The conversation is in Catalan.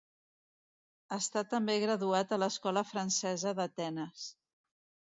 Està també graduat a l'Escola Francesa d'Atenes.